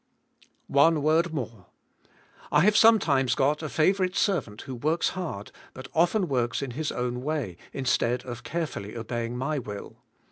One word more. I have sometimes got a favorite servant who works hard, but often works in his own 206 THK SPIRITUAI. LIFK. way instead of carefully obeying my will.